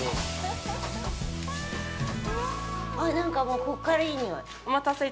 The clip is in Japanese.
あっ、なんかもうここからいい匂い。